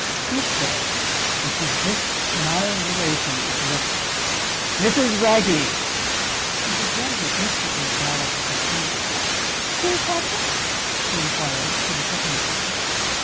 Speak to her—and she drifts miles away from you directly. Mrs. Wragge!" Mrs. Wragge instantly acknowledged the stimulant. "Tea, captain?" she inquired, for the second time.